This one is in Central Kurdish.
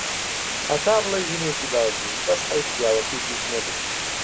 هەتا بڵێی ژنێکی باش بوو، بەس حەیف پیاوەکەی هیچ نەبوو.